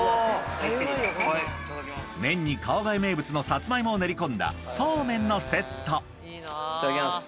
麺に川越名物のサツマイモを練り込んだそうめんのセットいただきます。